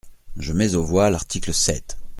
Je mets aux voix l’article sept.